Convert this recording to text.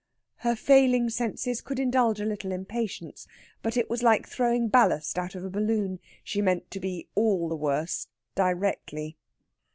Her failing senses could indulge a little impatience; but it was like throwing ballast out of a balloon. She meant to be all the worse directly.